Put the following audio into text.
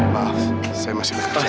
maaf saya masih bekerja